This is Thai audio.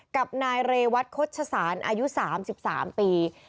กับนายเรวัตโฆษศาลอายุ๓๓ปี